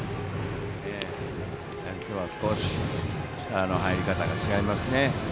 やはり今日は少し力の入り方が違いますね。